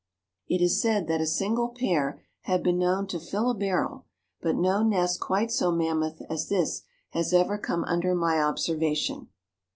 It is said that a single pair have been known to fill a barrel, but no nest quite so mammoth as this has ever come under my observation.